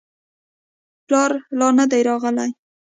پلار لا نه دی راغلی.